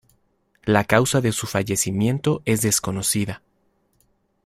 La causa de su fallecimiento es desconocida.